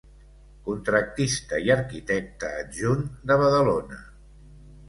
Contractista i arquitecte adjunt de Badalona.